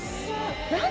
何？